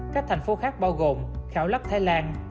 các thành phố khác bao gồm khảo lắc thái lan